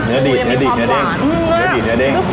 เนื้อดิดเนื้อเด้งเนื้อดิดเนื้อเด้งอื้มเนื้อดิดเนื้อเด้ง